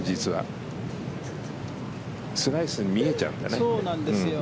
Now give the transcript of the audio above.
スライスに見えちゃうんだよね。